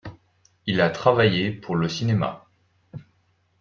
Il a travaillé pour le cinéma.